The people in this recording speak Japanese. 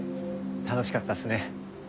楽しかったっすね。